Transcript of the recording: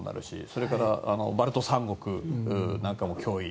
それからバルト三国なんかも脅威で。